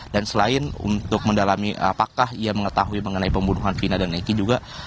dan selain untuk mendalami apakah ia mengetahui mengenai pembunuhan vina dan eki juga